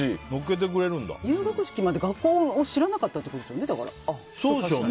入学式まで学校を知らなかったということですよね。